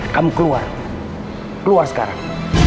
kamu keluar keluar sekarang